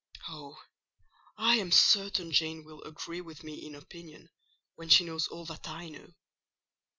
Oh, I am certain Jane will agree with me in opinion, when she knows all that I know!